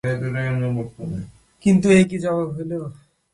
কিন্তু এই কি জবাব হইল।